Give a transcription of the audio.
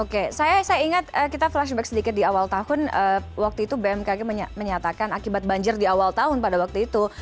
oke saya ingat kita flashback sedikit di awal tahun waktu itu bmkg menyatakan akibat banjir di awal tahun pada waktu itu